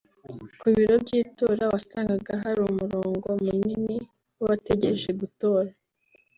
Ku biro by’itora wasangaga hari umurongo munini w’abategereje gutora